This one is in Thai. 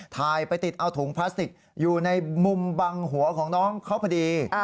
ถ่ายไปติดเอาถุงพลาสติกอยู่ในมุมบังหัวของน้องเขาพอดี